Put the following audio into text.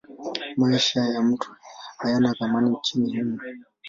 Maisha ya mtu hayana thamani nchini humo.